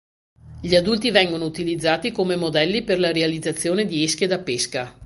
Gli adulti vengono utilizzati come modelli per la realizzazione di esche da pesca.